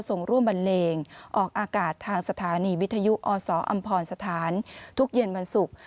ส่งร่วมบันเลงออกอากาศทางสถานีวิทยุอศอำพรสถานทุกเย็นวันศุกร์